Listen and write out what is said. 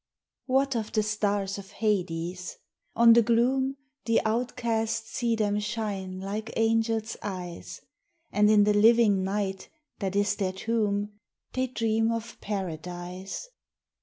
What of the stars of Hades? On the gloom The outcast see them shine like angels' eyes, And in the living night that is their tomb They dream of Paradise.